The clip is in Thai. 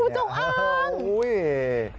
งูจงอ้าง